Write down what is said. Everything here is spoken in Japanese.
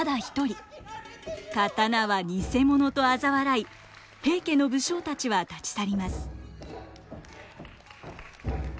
刀は偽物とあざ笑い平家の武将たちは立ち去ります。